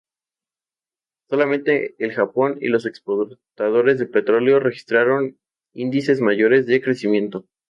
Solamente el Japón y los exportadores de petróleo registraron índices mayores de crecimiento.